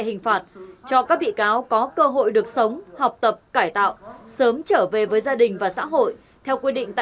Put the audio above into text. imut cho bị cáo bao nhiêu tiền